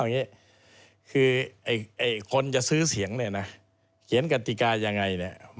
อย่างนี้คือคนจะซื้อเสียงเนี่ยนะเขียนกติกายังไงเนี่ย